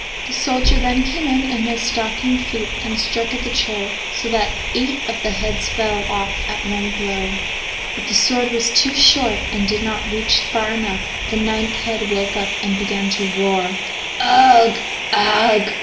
The soldier then came in in his stockinged feet and struck at the troll, so that eight of the heads fell off at one blow. But the sword was too short and did not reach far enough; the ninth head woke up and began to roar. "Ugh! Ugh!